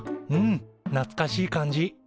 うんなつかしい感じ。